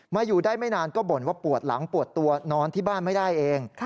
อยู่ได้ไม่นานก็บ่นว่าปวดหลังปวดตัวนอนที่บ้านไม่ได้เอง